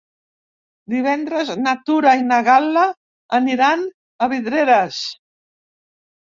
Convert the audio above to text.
Divendres na Tura i na Gal·la aniran a Vidreres.